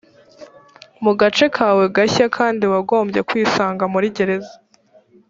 mu gace kawe gashya kandi wagombye kwisanga muri gereza